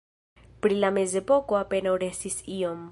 Pri la mezepoko apenaŭ restis iom.